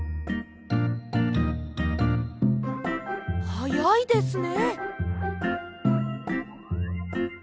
はやいですね。